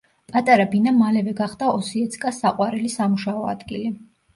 პატარა ბინა მალევე გახდა ოსიეცკას საყვარელი სამუშაო ადგილი.